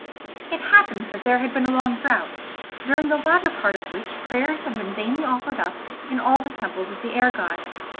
It happened that there had been a long drought, during the latter part of which prayers had been vainly offered up in all the temples of the air god.